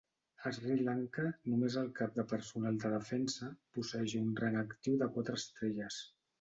A Sri Lanka, només el Cap de Personal de Defensa posseeix un rang actiu de quatre estrelles.